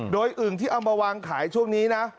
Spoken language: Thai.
โดยอึ่งที่เอามาวางขายช่วงนี้นะ